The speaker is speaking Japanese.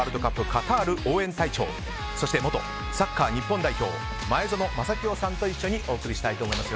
カタール応援隊長、そして元サッカー日本代表前園真聖さんと一緒にお送りしたいと思います。